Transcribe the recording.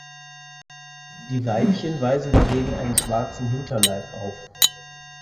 Die Weibchen weisen dagegen einen schwarzen Hinterleib auf.